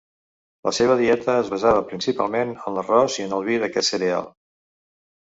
La seva dieta es basava principalment en l'arròs i en el vi d'aquest cereal.